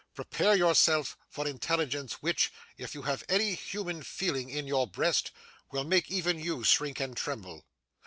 'Prepare yourself for intelligence which, if you have any human feeling in your breast, will make even you shrink and tremble.